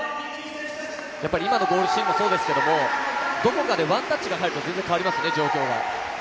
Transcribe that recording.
今のゴールシーンもそうですけどどこかでワンタッチが入ると状況が全然変わりますよね。